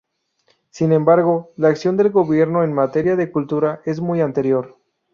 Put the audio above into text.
Sin embargo, la acción del Gobierno en materia de cultura es muy anterior.